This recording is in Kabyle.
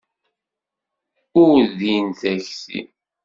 Ur din takti.